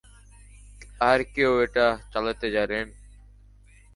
আর কেউ এটা চালাতে জানেন?